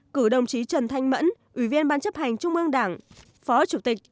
cử đồng chí trần thanh mẫn ủy viên ban chấp hành trung ương đảng phó chủ tịch